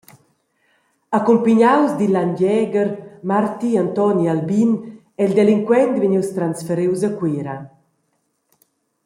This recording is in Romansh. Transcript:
Accumpignaus dil langegher Marti Antoni Albin ei il delinquent vegnius transferius a Cuera.